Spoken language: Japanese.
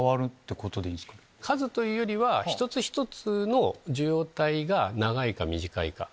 数というよりは一つ一つの受容体が長いか短いか。